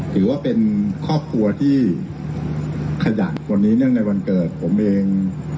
ถือว่าเป็นครอบครัวที่ขยันกว่านี้เนื่องในวันเกิดผมเอง